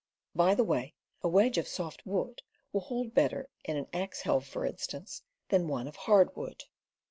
By the way, a wedge of soft wood will hold better, in an axe helve, for instance, than one of hard wood.